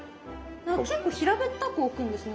結構平べったく置くんですね